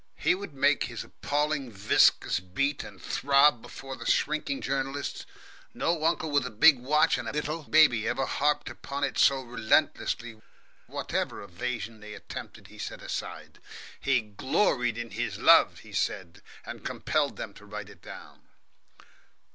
He would make this appalling viscus beat and throb before the shrinking journalists no uncle with a big watch and a little baby ever harped upon it so relentlessly; whatever evasion they attempted he set aside. He "gloried in his love," he said, and compelled them to write it down.